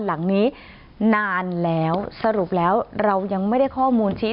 หลังนี้นานแล้วสรุปแล้วเรายังไม่ได้ข้อมูลชี้